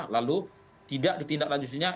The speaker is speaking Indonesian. lalu tidak ditindaklanjutinya